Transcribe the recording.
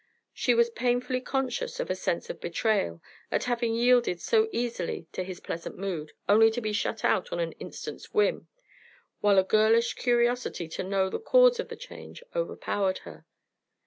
She was painfully conscious of a sense of betrayal at having yielded so easily to his pleasant mood, only to be shut out on an instant's whim, while a girlish curiosity to know the cause of the change overpowered her.